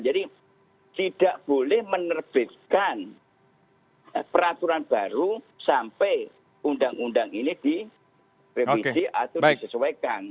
jadi tidak boleh menerbitkan peraturan baru sampai undang undang ini diperbincang atau disesuaikan